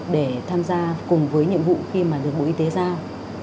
để tham gia cùng với nhiệm vụ khi mà được bộ y tế giao